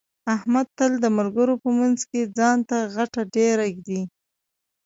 احمد تل د ملګرو په منځ کې ځان ته غټه ډېره ږدي.